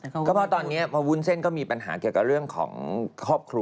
ก็เพราะตอนนี้พอวุ้นเส้นก็มีปัญหาเกี่ยวกับเรื่องของครอบครัว